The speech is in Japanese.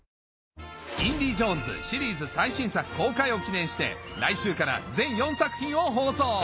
『インディ・ジョーンズ』シリーズ最新作公開を記念して来週から全４作品を放送